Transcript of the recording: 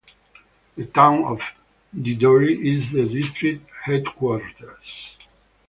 The town of Dindori is the district headquarters.